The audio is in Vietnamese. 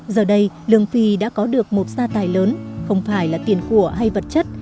giờ đây lương phi đã có được một gia tài lớn không phải là tiền của hay vật chất